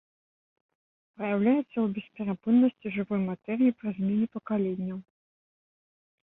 Праяўляецца ў бесперапыннасці жывой матэрыі пры змене пакаленняў.